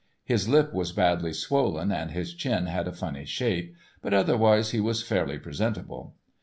His lip was badly swollen and his chin had a funny shape, but otherwise he was fairly presentable.